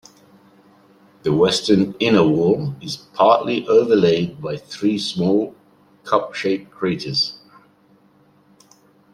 The western inner wall is partly overlaid by three small, cup-shaped craters.